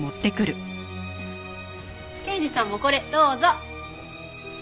刑事さんもこれどうぞ。